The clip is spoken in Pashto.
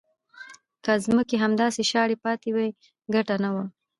که ځمکې همداسې شاړې پاتې وای ګټه نه وه.